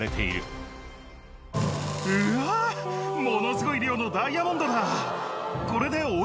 ものすごい量のダイヤモンドだ。